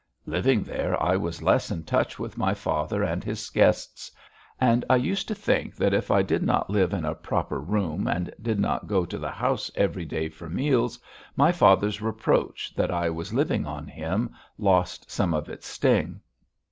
Living there I was less in touch with my father and his guests, and I used to think that if I did not live in a proper room and did not go to the house every day for meals, my father's reproach that I was living on him lost some of its sting.